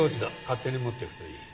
勝手に持っていくといい。